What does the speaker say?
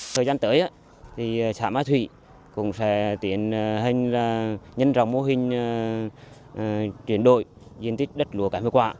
thời gian tới xã mai thủy cũng sẽ tiến hành nhân dòng mô hình chuyển đổi diện tích đất lúa kém hiệu quả